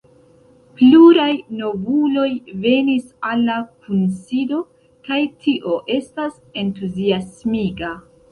Pluraj novuloj venis al la kunsido, kaj tio estas entuziasmiga.